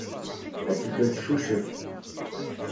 Ad teddu ad teccucef.